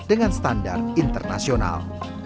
dengan standar internasional